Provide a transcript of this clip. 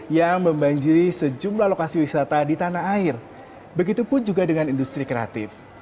yang membanjiri sejumlah lokasi wisata di tanah air begitu pun juga dengan industri kreatif